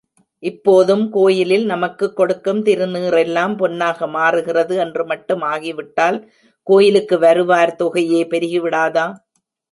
இப்போதும் கோயிலில் நமக்குக் கொடுக்கும் திருநீறெல்லாம் பொன்னாக மாறுகிறது என்று மட்டும் ஆகிவிட்டால் கோயிலுக்கு வருவார் தொகையே பெருகிவிடாதா?.